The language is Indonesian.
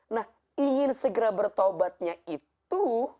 nah ingin segera bertaubatnya itu